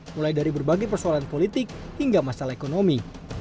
mulai dari berbagai persoalan politik hingga masalah ekonomi